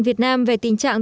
việt nam về tình trạng